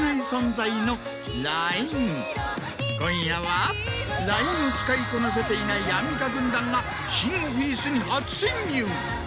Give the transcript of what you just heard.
今夜はＬＩＮＥを使いこなせていないアンミカ軍団が新オフィスに初潜入。